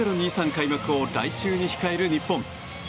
開幕を来週に控える日本。